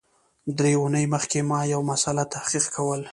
درې اونۍ مخکي ما یو مسأله تحقیق کول